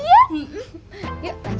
sampai nggak jadi lajar